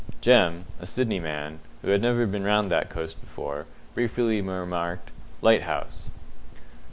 Jem a Sydney man, who had never been round that coast before briefly remarked, "Lighthouse."